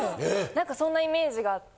何かそんなイメージがあって。